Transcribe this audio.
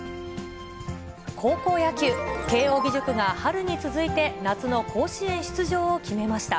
高校野球、慶応義塾が春に続いて夏の甲子園出場を決めました。